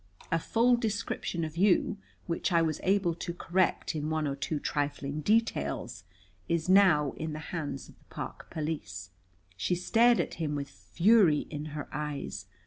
A full description of you, which I was able to correct in one or two trifling details, is now in the hands of the park police." She stared at him with fury in her eyes.